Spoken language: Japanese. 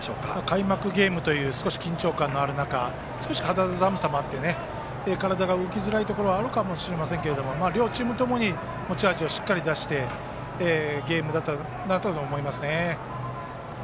開幕ゲームという少し緊張感のある中少し肌寒さもあって体が動きづらいところもあるかもしれませんが両チーム共に持ち味をしっかり出したゲームだったなと思いますね。